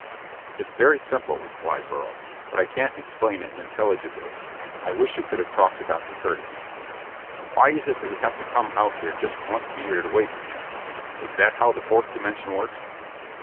"It's very simple," replied Beryl, "but I can't explain it intelligibly. I wish you could have talked to Dr. Curtis." "Why is it that we have to come out here just once a year to wait for him? Is that how the fourth dimension works?"